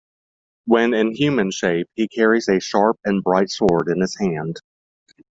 When in human shape he carries a sharp and bright sword in his hand.